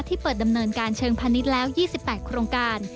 เปิดดำเนินการเชิงพาณิชย์แล้ว๒๘โครงการ